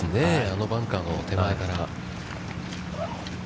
あのバンカーの手前から。